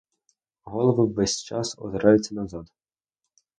Голови ввесь час озираються назад.